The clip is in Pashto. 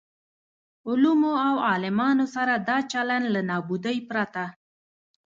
علومو او عالمانو سره دا چلن له نابودۍ پرته.